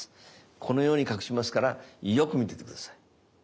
このように隠しますからよく見てて下さい。